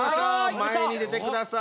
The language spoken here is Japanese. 前に出てください。